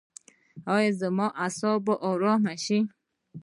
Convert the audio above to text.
ایا زما اعصاب به ارام شي؟